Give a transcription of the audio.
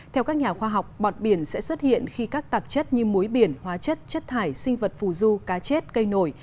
theo các nhà khoa học bọt biển sẽ xuất hiện khi các tạp chất như muối biển hóa chất chất thải sinh vật phù du cá chết cây nổi